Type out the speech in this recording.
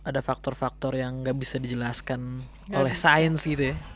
ada faktor faktor yang nggak bisa dijelaskan oleh sains gitu ya